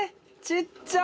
ちっちゃ！